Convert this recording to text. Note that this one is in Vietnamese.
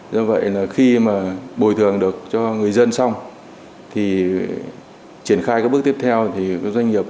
do vậy là khi mà bồi thường được cho người dân xong thì triển khai các bước tiếp theo thì các doanh nghiệp